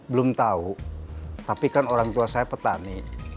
belum tahu tapi kan orang tua saya petani